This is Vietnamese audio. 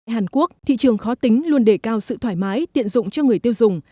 hàn quốc thị trường khó tính luôn đề cao sự thoải mái tiện dụng cho người tiêu dùng